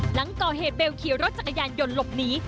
หลังก่อเหตุเบลขี่รถจักรยานยนต์หลบหนี